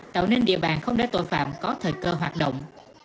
tạo nên địa bàn không để tội phạm có thời cơ hoạt động